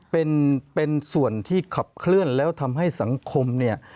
เป็นเป็นส่วนที่ขับเคลื่อนแล้วทำให้สังคมเนี่ย